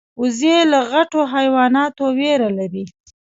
وزې له غټو حیواناتو ویره لري